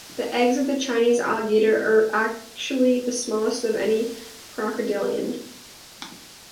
The eggs of the Chinese alligator are actually the smallest of any crocodilian.